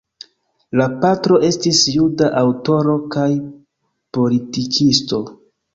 La patro estis juda aŭtoro kaj politikisto.